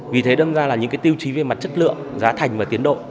vì thế đơn ra là những tiêu chí về mặt chất lượng giá thành và tiến độ